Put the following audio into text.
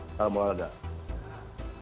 assalamualaikum warahmatullahi wabarakatuh